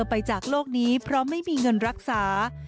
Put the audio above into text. ไปจากโลกนี้เพราะไม่มีเงินรักษา